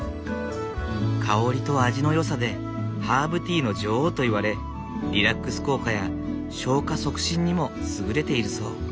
香りと味のよさでハーブティーの女王といわれリラックス効果や消化促進にも優れているそう。